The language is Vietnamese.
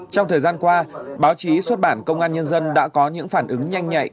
trong thời gian qua báo chí xuất bản công an nhân dân đã có những phản ứng nhanh nhạy